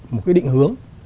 một cái định hướng